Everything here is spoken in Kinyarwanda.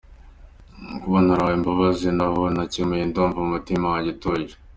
Kuba narahawe imbabzi nabo nahemukiye ndumva umutima wanjye utuje”.